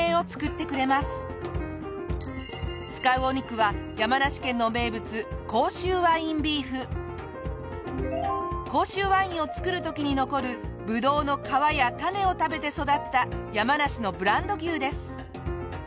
使うお肉は山梨県の名物甲州ワインを作る時に残るブドウの皮や種を食べて育った山梨のブランド牛です。